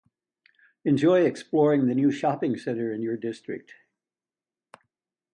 Enjoy exploring the new shopping centre in your district!